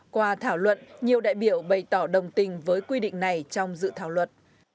qua thảo luận nhiều đại biểu bày tỏ đồng tình với quy định này trong dự thảo luật